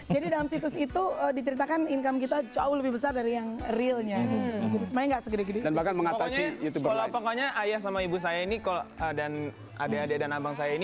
jadi dalam situs itu diteritakan income kita jauh lebih besar dari yang realnya